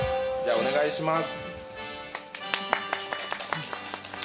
お願いします